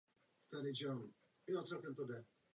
Byl žákem Františka Blažka a Josefa Krejčího.